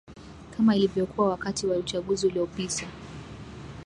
kama ilivyokuwa wakati wa uchaguzi uliopita